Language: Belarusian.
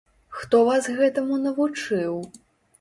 Хто вас гэтаму навучыў?